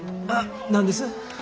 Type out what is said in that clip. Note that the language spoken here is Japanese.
あっ何です？